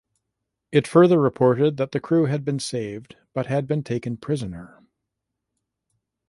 It further reported that the crew had been saved but had been taken prisoner.